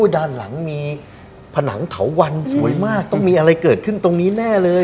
ด้านหลังมีผนังเถาวันสวยมากต้องมีอะไรเกิดขึ้นตรงนี้แน่เลย